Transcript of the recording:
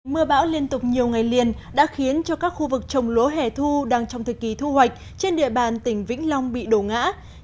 mưa bão liên tục nhiều ngày liền đã khiến cho các khu vực trồng lúa hẻ thu đang trong thời kỳ thu hoạch trên địa bàn tỉnh vĩnh long bị đổ ngã